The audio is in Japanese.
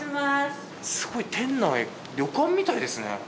すごい店内旅館みたいですね。